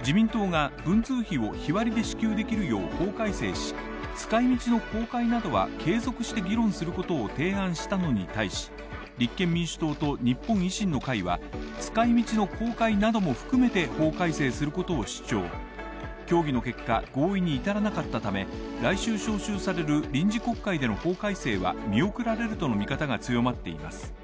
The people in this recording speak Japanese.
自民党が文通費を日割りで支給できるよう法改正し使い道の公開などは継続して議論することを提案したのに対し、立憲民主党と日本維新の会は、使い道の公開なども含めて法改正することを主張、協議の結果、合意に至らなかったため、来週召集される臨時国会での法改正は見送られるとの見方が強まっています。